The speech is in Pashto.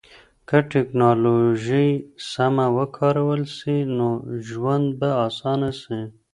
که ټکنالوژي سمه وکارول سي نو ژوند به اسانه سي.